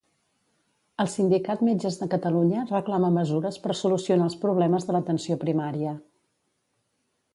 El sindicat Metges de Catalunya reclama mesures per solucionar els problemes de l'atenció primària.